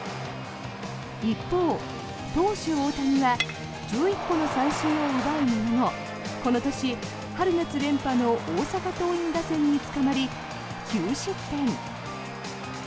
一方、投手・大谷は１１個の三振を奪うもののこの年、春夏連覇の大阪桐蔭打線につかまり９失点。